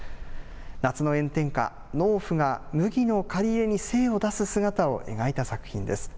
夏の炎天下、農夫が麦の刈り入れにせいを出す姿を描いた作品です。